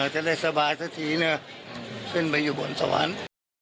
จะได้สบายสักทีนะขึ้นไปอยู่บนสวรรค์